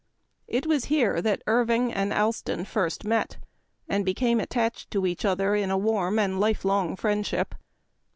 It was here that Irving and Allston first met, and ime attached to each other in warm and life long friendship.